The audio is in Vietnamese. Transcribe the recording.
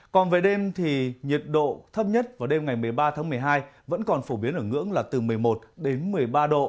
còn về đêm thì nhiệt độ thấp nhất vào đêm ngày một mươi ba tháng một mươi hai vẫn còn phổ biến ở ngưỡng là từ một mươi một đến một mươi ba độ